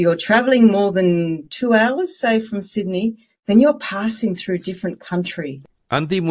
anda bisa melakukan pencarian internet atau sesuatu untuk mencari tahu